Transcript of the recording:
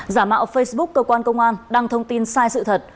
giả mạo facebook cơ quan công an đăng thông tin sai sự thật